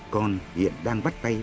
con hiện đang bắt tay